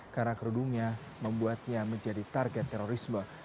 karena kerudungnya membuatnya menjadi target terorisme